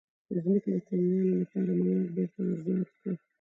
د ځمکې د قوي کولو لپاره مواد بیرته ور زیات کړو.